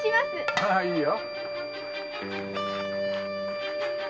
ああいいよ。